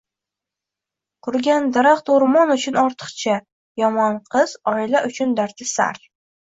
• Qurigan daraxt — o‘rmon uchun ortiqcha, yomon qiz — oila uchun dardisar.